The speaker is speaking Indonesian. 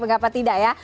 mengapa tidak ya